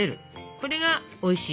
これがおいしい